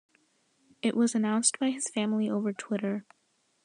It was announced by his family over Twitter.